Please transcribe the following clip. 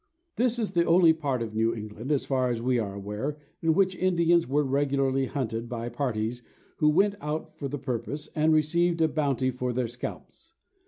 This is the only part of New England, as far as we are aware, in which Indians were regularly hunted by parties who went out for the purpose, and received a bounty for their scalps.